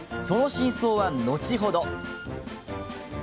その真相は後ほど。